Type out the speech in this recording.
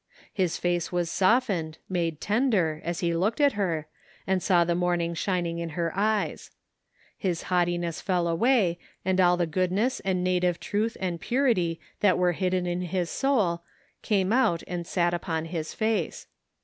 His face was softened, made tender, as he looked at her, and saw the morn ing shining in her eyes. His haughtiness fell away, and all the goodness and native truth and purity that were hidden in his soul came out and sat upon his face.